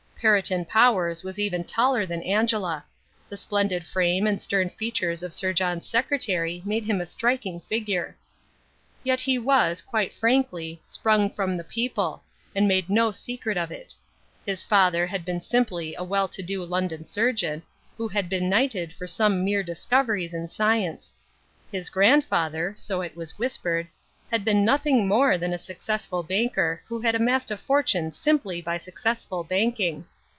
Perriton Powers was even taller than Angela. The splendid frame and stern features of Sir John's secretary made him a striking figure. Yet he was, quite frankly, sprung from the people, and made no secret of it. His father had been simply a well to do London surgeon, who had been knighted for some mere discoveries in science. His grandfather, so it was whispered, had been nothing more than a successful banker who had amassed a fortune simply by successful banking.